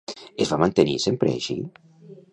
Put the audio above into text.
Es va mantenir sempre així?